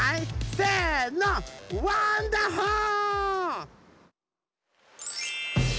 せのワンダホー！